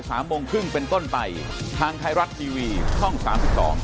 โอ้โหครึ่งเลยนะใช่ค่ะ